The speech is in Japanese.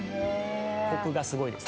コクがすごいですね。